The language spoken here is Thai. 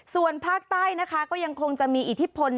ส่วนภาคใต้นะคะก็ยังคงจะมีอิทธิพล